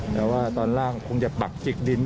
แต่ว่าตอนล่างคงจะปักจิกดิน